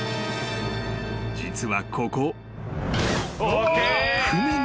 ［実はここ］